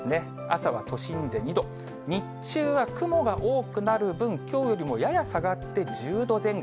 朝は都心で２度、日中は雲が多くなる分、きょうよりもやや下がって１０度前後。